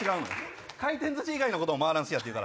回転寿司以外のことも回らん寿司屋っていうから。